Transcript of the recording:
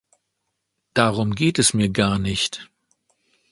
Darum geht es mir gar nicht.